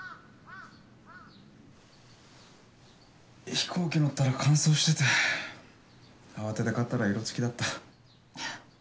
飛行機乗ったら乾燥してて慌てて買ったら色つきだった。